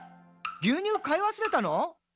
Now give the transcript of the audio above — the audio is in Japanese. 牛乳買い忘れたの？」